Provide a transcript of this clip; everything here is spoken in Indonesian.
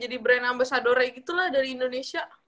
jadi brand ambasadornya gitu lah dari indonesia